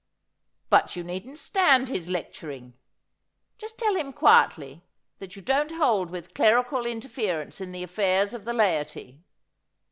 ' But you needn't stand his lecturing. J ust tell him quietly that you don't hold with clerical interference in the affairs of the laity.'